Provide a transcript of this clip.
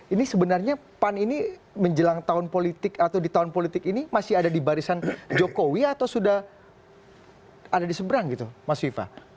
ini sebenarnya pan ini menjelang tahun politik atau di tahun politik ini masih ada di barisan jokowi atau sudah ada di seberang gitu mas viva